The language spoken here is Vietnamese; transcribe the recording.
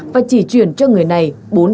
và chỉ chuyển cho người này